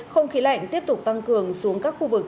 không khí lạnh tiếp tục tăng cường xuống các khu vực